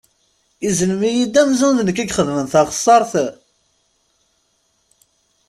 Izellem-iyi-d amzun d nekk i ixedmen taxeṣṣaṛt!